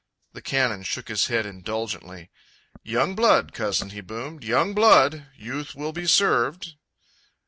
The Canon shook his head indulgently. "Young blood, Cousin," he boomed. "Young blood! Youth will be served!"